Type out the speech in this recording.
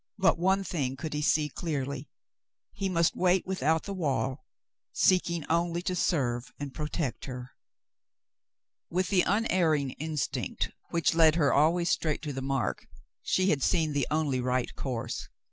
But one thing could he see clearly. He must wait without the wall, seeking only to serve and protect her. With the unerring instinct which led her always straight to the mark, she had seen the only right course.